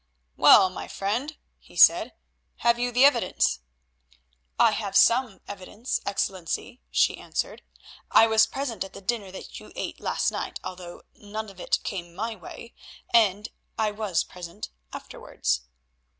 "Well, my friend," he said, "have you the evidence?" "I have some evidence, Excellency," she answered. "I was present at the dinner that you ate last night, although none of it came my way, and—I was present afterwards."